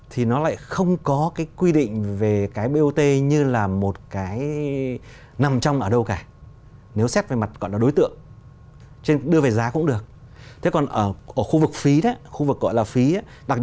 thì đấy có thể được gọi là bot